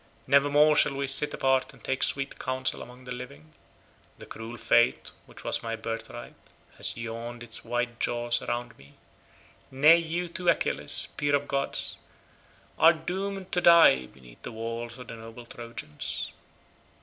Nevermore shall we sit apart and take sweet counsel among the living; the cruel fate which was my birth right has yawned its wide jaws around me—nay, you too Achilles, peer of gods, are doomed to die beneath the wall of the noble Trojans.